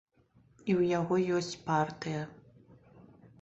І ў яго ёсць партыя.